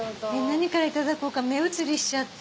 何からいただこうか目移りしちゃって。